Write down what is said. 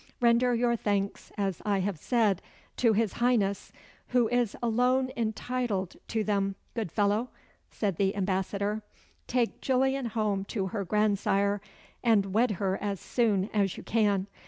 "Render your thanks, as I have said, to his Highness, who is alone entitled to them, good fellow," said the Ambassador. "Take Gillian home to her grandsire and wed her as soon as you can.